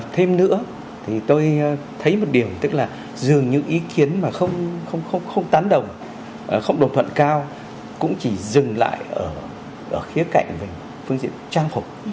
thêm nữa thì tôi thấy một điều tức là dường như ý kiến mà không tán đồng không đồng thuận cao cũng chỉ dừng lại ở khía cạnh về phương diện trang phục